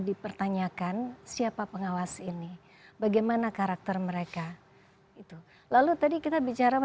dipertanyakan siapa pengawas ini bagaimana karakter mereka itu lalu tadi kita bicara